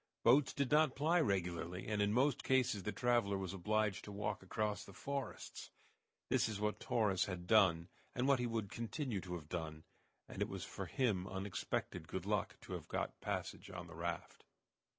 Boats did not ply regularly, and in most cases the traveler was obliged to walk across the forests. This is what Torres had done, and what he would continue to have done, and it was for him unexpected good luck to have got a passage on the raft.